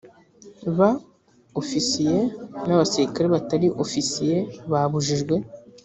ba ofisiye n abasirikare batari ofisiye babujijwe